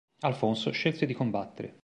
Alfonso scelse di combattere.